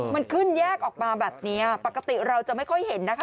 มันขึ้นแยกออกมาแบบนี้ปกติเราจะไม่ค่อยเห็นนะคะ